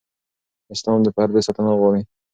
اسلام د پردې ساتنه غواړي.